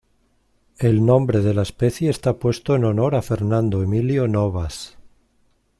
El nombre de la especie está puesto en honor a Fernando Emilio Novas.